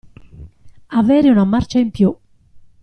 Avere una marcia in più.